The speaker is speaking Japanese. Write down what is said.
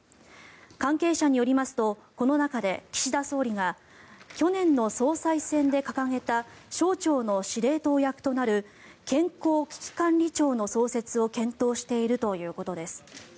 関係者によりますとこの中で岸田総理が去年の総裁選で掲げた省庁の司令塔役となる健康危機管理庁の創設を検討しているということです。